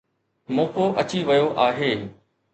موقعو اچي ويو آهي.